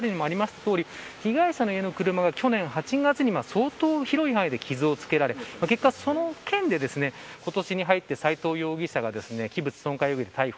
とおり被害者の家の車が、去年８月に相当広い範囲で傷をつけられ結果、その件で今年に入って、斎藤容疑者が器物損壊容疑で逮捕。